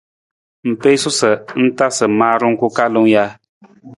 I piisu sa i tasa maarung ku kalung ja?